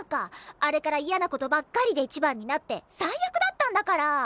あれからイヤなことばっかりで一番になって最悪だったんだから！